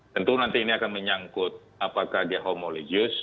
tentu nanti ini akan menyangkut apakah dia homoligius